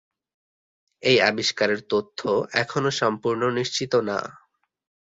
এই আবিষ্কারের তথ্য এখনও সম্পূর্ণ নিশ্চিত না।